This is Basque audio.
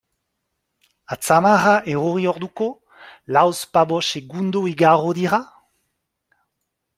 Atzamarra erori orduko, lauzpabost segundo igaro dira?